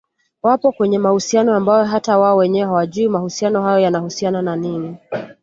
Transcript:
wapo kwenye mahusiano ambayo hata wao wenyewe hawajui mahusiano hayo yanahusiana na nini